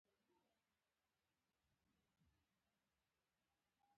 د بدخشان په کران او منجان کې څه شی شته؟